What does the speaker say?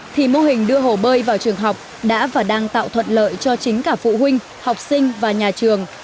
thì mô hình đưa hồ bơi vào trường học đã và đang tạo thuận lợi cho chính cả phụ huynh học sinh và nhà trường